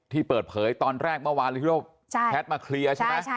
ที่เปิดเผยตอนแรกเมื่อวานที่เราแพทย์มาเคลียร์ใช่ไหม